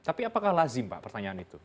tapi apakah lazim pak pertanyaan itu